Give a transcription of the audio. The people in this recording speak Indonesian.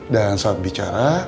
dan saat bicara